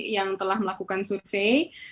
yang telah melakukan survei